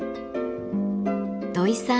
土井さん